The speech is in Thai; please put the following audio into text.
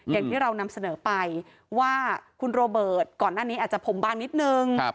อย่างที่เรานำเสนอไปว่าคุณโรเบิร์ตก่อนหน้านี้อาจจะผมบางนิดนึง